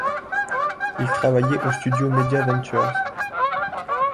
Il travaillait au studio Media Ventures.